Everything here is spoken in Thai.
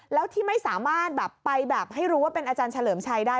แล้วที่ไม่สามารถแบบไปแบบให้รู้ว่าเป็นอาจารย์เฉลิมชัยได้